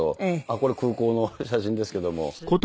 あっこれ空港の写真ですけども。すごい。